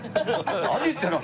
「何言ってんの」。